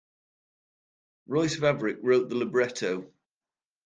Royce Vavrek wrote the libretto.